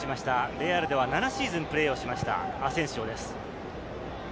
レアルでは７シーズンプレーをしましたアセンシオです。